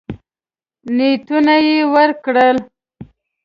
نیتونه یې وکړل.